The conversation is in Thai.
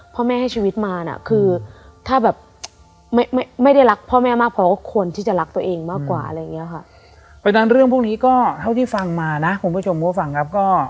เพราะฉะนั้นเรื่องพวกนี้ก็เท่าที่ฟังมานะคุณผู้ชมฟังก็